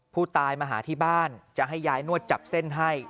ผู้ตายมาหาที่บ้านจะให้ยายนวดจับเส้นให้